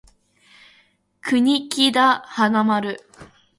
国木田花丸